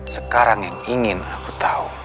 sekarang yang ingin aku tahu